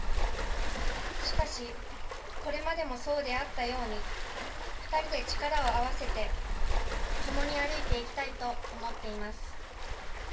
しかし、これまでもそうであったように、２人で力を合わせて、共に歩いていきたいと思っています。